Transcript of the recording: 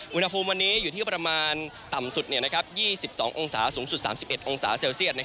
อุณหภูมิวันนี้อยู่ที่ประมาณต่ำสุด๒๒องศาสูงสุด๓๑องศาเซลเซียต